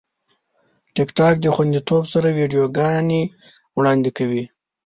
ټیکټاک د خوندیتوب سره ویډیوګانې وړاندې کوي.